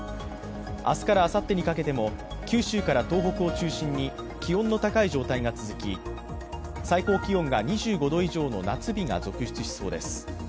明日からあさってにかけても九州から東北を中心に気温が高い状態が続き最高気温が２５度以上の夏日が続出しそうです。